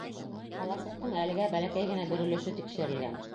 Ҡаласыҡтың әлегә бәләкәй генә бер өлөшө тикшерелгән.